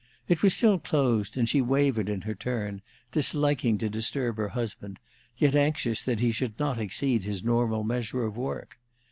It was still closed, and she wavered in her turn, disliking to disturb her husband, yet anxious that he should not exceed his normal measure of work.